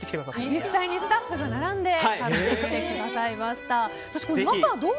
実際にスタッフが並んで買ってきてくださいました。